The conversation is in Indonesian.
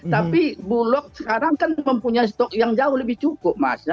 tapi bulog sekarang kan mempunyai stok yang jauh lebih cukup mas